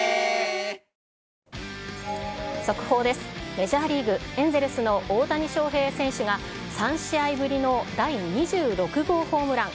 メジャーリーグ・エンゼルスの大谷翔平選手が、３試合ぶりの第２６号ホームラン。